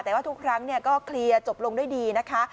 แต่ว่าทุกครั้งก็เคลียร์จบลงด้วยดีนะคะ